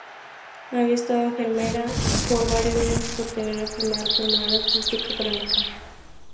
Había estado enferma por varios meses por tener la enfermedad pulmonar obstructiva crónica.